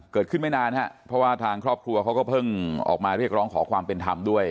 ไม่นานฮะเพราะว่าทางครอบครัวเขาก็เพิ่งออกมาเรียกร้องขอความเป็นธรรมด้วย